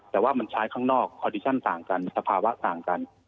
แต่ว่ามันใช้ข้างนอกสภาวะต่างกัน